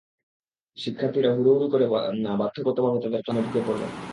শিক্ষার্থিরা হুড়াহুড়ি করে বাধ্যগতভাবে তাদের ক্লাসরুমে ঢুকে পড়ল।